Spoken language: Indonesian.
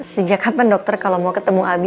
sejak kapan dokter kalau mau ketemu abi